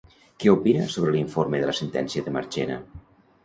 Què opina sobre l'informe de la sentència de Marchena?